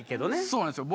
そうなんですよ。